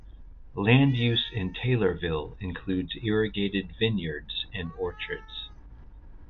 Land use in Taylorville includes irrigated vineyards and orchards.